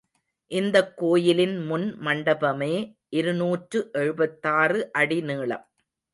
இந்தக் கோயிலின் முன் மண்டபமே இருநூற்று எழுபத்தாறு அடி நீளம்.